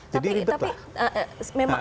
jadi ribet lah